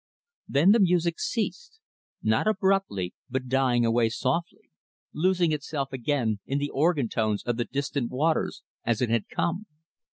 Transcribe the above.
Then the music ceased; not abruptly, but dying away softly losing itself, again, in the organ tones of the distant waters, as it had come.